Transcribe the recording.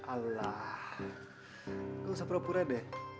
alah lo sepura pura deh